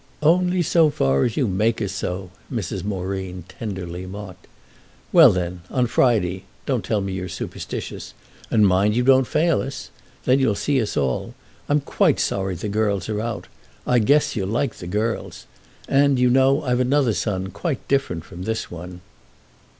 "Only so far as you make us so!" Mrs. Moreen tenderly mocked. "Well then, on Friday—don't tell me you're superstitious—and mind you don't fail us. Then you'll see us all. I'm so sorry the girls are out. I guess you'll like the girls. And, you know, I've another son, quite different from this one."